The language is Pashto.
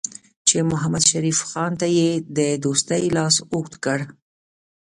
چې محمدشریف خان ته یې د دوستۍ لاس اوږد کړ.